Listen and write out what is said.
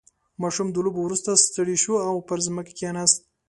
• ماشوم د لوبو وروسته ستړی شو او پر ځمکه کښېناست.